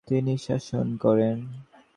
তিনি শাসন করেন।